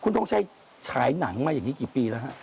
ทงชัยฉายหนังมาอย่างนี้กี่ปีแล้วฮะ